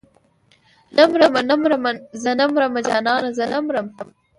نه مرمه نه مرمه زه نه مرمه جانانه نه مرم.